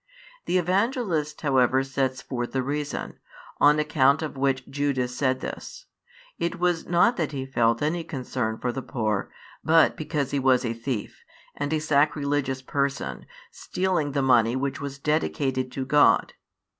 |139 The Evangelist however sets forth the reason, on account of which Judas said this: it was not that he felt any concern for the poor, but because he was a thief and a sacrilegious person, stealing the money which was dedicated to God.